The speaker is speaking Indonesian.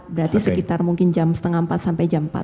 berarti sekitar mungkin jam setengah empat sampai jam empat